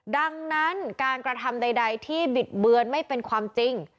ดังนั้นการกระทำใดที่บิดเบือนไม่เป็นความจริง